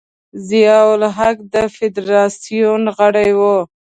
ضیا الحق د فدراسیون غړی و.